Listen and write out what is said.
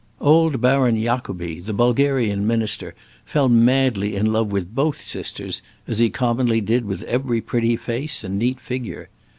Old Baron Jacobi, the Bulgarian minister, fell madly in love with both sisters, as he commonly did with every pretty face and neat figure.